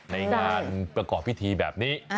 ในงานประกอบพิธีแบบนี้